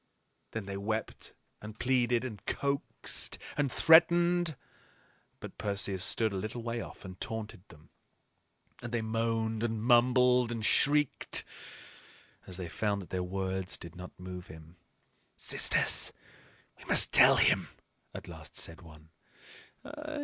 Then they wept and pleaded and coaxed and threatened. But Perseus stood a little way off and taunted them; and they moaned and mumbled and shrieked, as they found that their words did not move him. "Sisters, we must tell him," at last said one.